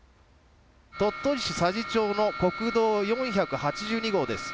鳥取市佐治町の国道４８２号です。